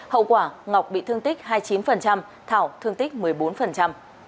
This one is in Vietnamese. hậu quả ngọc bị thương tích hai mươi chín thảo thương tích một mươi bốn